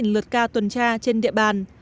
chín lượt ca tuần tra trên địa bàn